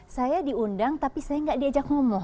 saya diundang tapi saya nggak diajak ngomong